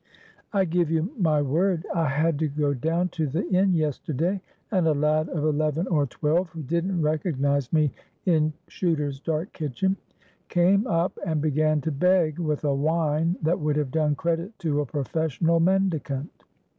I give you my word, I had to go down to the inn yesterday, and a lad of eleven or twelve, who didn't recognize me in Chuter's dark kitchen, came up and began to beg with a whine that would have done credit to a professional mendicant.